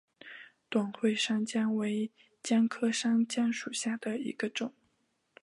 短穗山姜为姜科山姜属下的一个种。